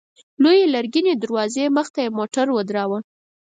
لويې لرګينې دروازې مخته يې موټر ودراوه.